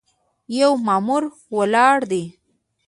یو مامور ولاړ دی.